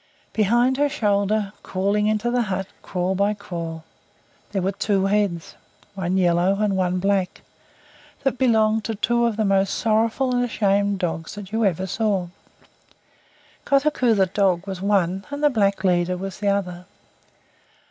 Behind her shoulder, crawling into the hut crawl by crawl, there were two heads, one yellow and one black, that belonged to two of the most sorrowful and ashamed dogs that ever you saw. Kotuko the dog was one, and the black leader was the other.